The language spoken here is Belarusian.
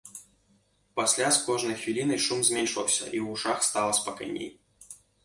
Пасля з кожнай хвілінай шум зменшваўся, і ў вушах стала спакайней.